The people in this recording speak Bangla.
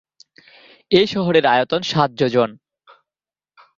এই শহরের আয়তন সাত যোজন।